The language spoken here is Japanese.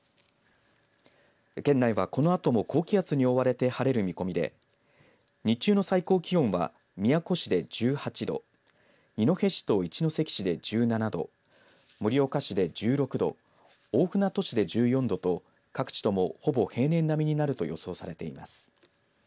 県内はこのあとも高気圧に覆われて晴れる見込みで日中の最高気温は宮古市で１８度二戸市と一関市で１７度盛岡市で１６度大船渡市で１４度と各地ともほぼ平年並みになると予想されています。